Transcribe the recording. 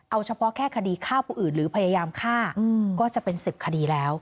เอาเฉพาะแค่คดีฆ่าผู้อื่นหรือพยายามฆ่าก็จะเป็น๑๐คดีแล้ว